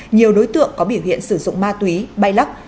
nhiều đối tượng có biểu hiện sử dụng ma túy bay lắc